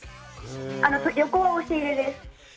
横は押し入れです。